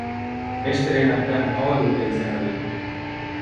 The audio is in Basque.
Besteren artean hauek dute izen hori.